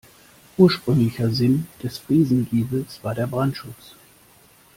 Ursprünglicher Sinn des Friesengiebels war der Brandschutz.